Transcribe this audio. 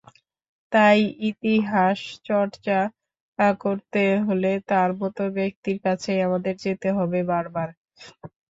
তাই ইতিহাসচর্চা করতে হলে তাঁর মতো ব্যক্তির কাছেই আমাদের যেতে হবে বারবার।